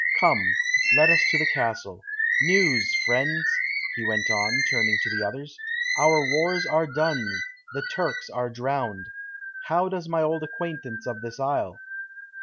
"Come, let us to the castle. News, friends!" he went on, turning to the others. "Our wars are done, the Turks are drowned. How does my old acquaintance of this isle?...